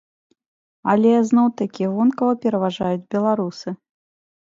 Але, зноў-такі, вонкава пераважаюць беларусы.